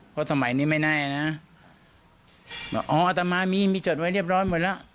เพราะสมัยนี้ไม่แน่นะบอกอ๋ออัตมามีมีจดไว้เรียบร้อยหมดแล้ว